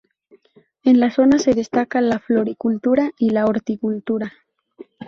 En la zona se destaca la floricultura y la horticultura.